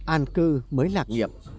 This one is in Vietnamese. an cư mới lạc nhiệm